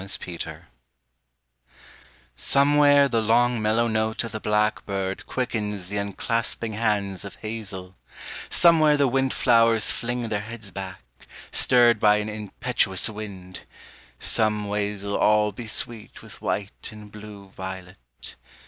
STUDY SOMEWHERE the long mellow note of the blackbird Quickens the unclasping hands of hazel, Somewhere the wind flowers fling their heads back, Stirred by an impetuous wind. Some ways'll All be sweet with white and blue violet.